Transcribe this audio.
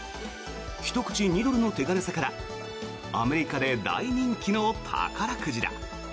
１口２ドルの手軽さからアメリカで大人気の宝くじだ。